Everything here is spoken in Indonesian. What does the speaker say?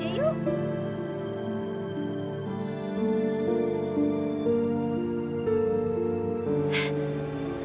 yaudah yuk kakek